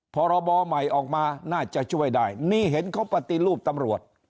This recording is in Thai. พรบใหม่ออกมาน่าจะช่วยได้นี่เห็นเขาปฏิรูปตำรวจ